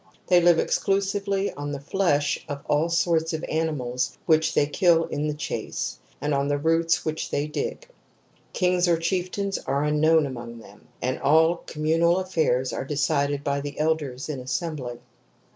They live exclu sively on the flesh of all sorts of animals which they kill in the chase, and on the roots which they dig. Kings or chieftains are unknown among them, and all communal affairs are decided by the elders in assembly.